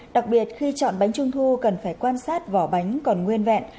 đặc biệt khi chọn bánh trung thu cần phải quan sát vỏ bánh còn nguyên vẹn